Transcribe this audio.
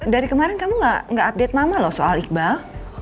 dari kemarin kamu nggak update mama loh soal iqbal